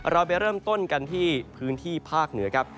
เราไปเริ่มต้นกันที่พื้นที่ภาคเหนือครับ